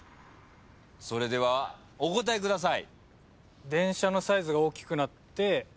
それではお答えください。